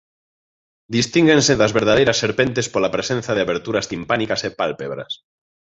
Distínguense das verdadeiras serpentes pola presenza de aberturas timpánicas e pálpebras.